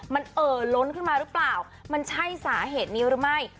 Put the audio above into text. มันเอ่อล้นขึ้นมาหรือเปล่ามันใช่สาเหตุนี้หรือไม่